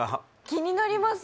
気になります